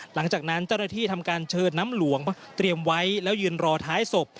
หลังจากนั้นเจ้าหน้าที่ทำการเชิญน้ำหลวงเตรียมไว้แล้วยืนรอท้ายศพ